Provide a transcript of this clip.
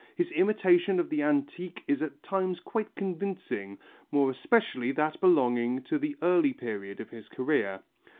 His imitation of the antique is at times quite convincing, more especially that belonging to the early period of his career.